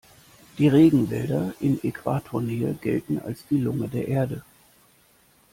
Die Regenwälder in Äquatornähe gelten als die Lunge der Erde.